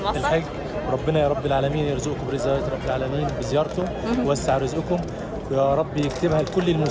semua muslim diperjalanan